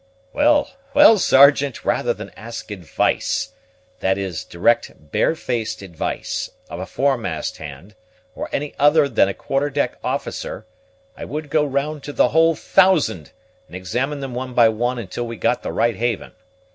"Well, well, Sergeant, rather than ask advice that is, direct, barefaced advice of a foremast hand, or any other than a quarter deck officer, I would go round to the whole thousand, and examine them one by one until we got the right haven.